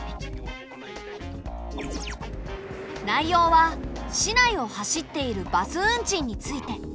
内容は市内を走っているバス運賃について。